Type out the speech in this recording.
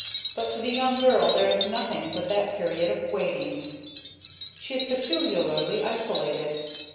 But to the young girl there is nothing but that period of waiting. She is peculiarly isolated.